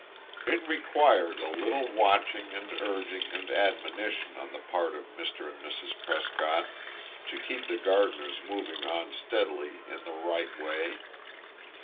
It required a little watching, and urging, and admonition, on the part of Mr. and Mrs. Prescott, to keep the Gardiners moving on steadily, in the right way.